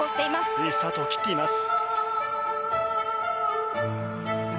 いいスタートを切っています。